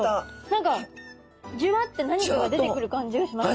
何かジュワッて何かが出てくる感じがしました。